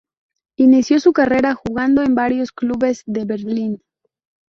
Inició su carrera jugando en varios clubes de Berlín.